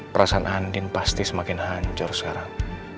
perasaan andin pasti semakin hancur sekarang